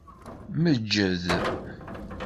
Meǧǧed.